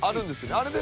あれで。